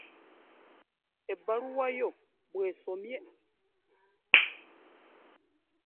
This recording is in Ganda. Ebbaluwa ya Okwakol bw'esomye.